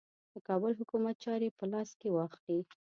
د کابل حکومت چاري په لاس کې واخلي.